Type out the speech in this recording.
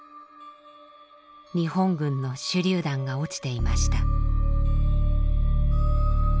日本軍の手りゅう弾が落ちていました。